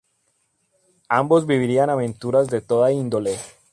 Ambos vivirán aventuras de toda índole.